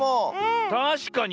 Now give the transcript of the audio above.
たしかに。